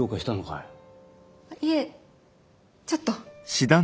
いえちょっと。